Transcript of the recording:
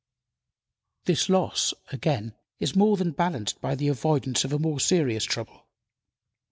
This loss, again, is more than balanced by the avoidance of a more serious trouble.